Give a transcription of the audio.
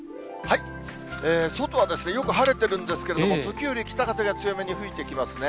外はよく晴れてるんですけれども、時折、北風が強めに吹いてきますね。